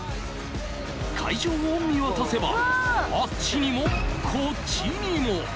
会場を見渡せばあっちにも、こっちにも！